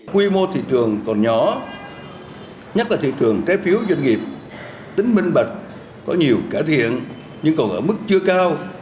quy mô thị trường còn nhỏ nhất là thị trường trái phiếu doanh nghiệp tính minh bạch có nhiều cải thiện nhưng còn ở mức chưa cao